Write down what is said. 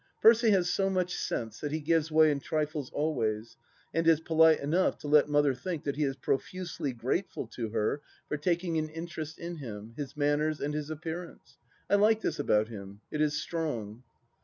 Percy has so much sense that he gives way in trifles always, and is polite enough to let Mother think that he is profusely grateful to her for taking an interest in him, his manners, and his appearance. I like this about him : it is strong.